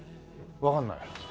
わかんない？